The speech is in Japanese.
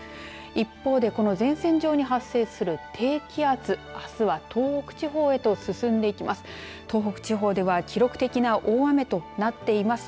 一方で、この前線上に発生する低気圧あすは東北地方へと進んでいきます。